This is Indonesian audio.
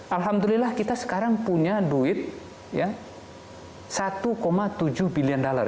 alhamdulillah kita sekarang punya duit satu tujuh bilion dollar